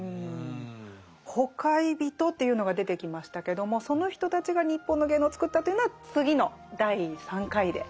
「ほかひびと」というのが出てきましたけどもその人たちが日本の芸能を作ったというのは次の第３回で。